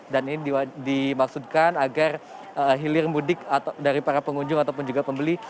dan ini dimaksudkan agar hilir mudik dari para pengunjung ataupun juga pembeli